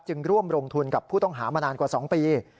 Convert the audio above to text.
ร่วมลงทุนกับผู้ต้องหามานานกว่า๒ปี